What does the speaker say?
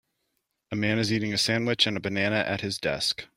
A man is eating a sandwich and a banana at a desk.